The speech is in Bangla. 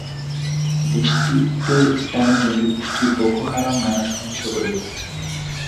দেশটিতে ইসলামি জঙ্গি গোষ্ঠী বোকো হারাম নানা সহিংস ঘটনা ঘটিয়ে যাচ্ছে।